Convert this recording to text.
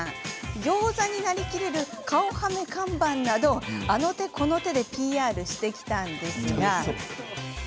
ギョーザになりきれる顔はめ看板など、あの手この手でＰＲしてきたんですが。